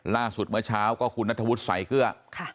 ล่าสุดเมื่อเช้าก็คุณนัทวุฒิสัยเกื้อ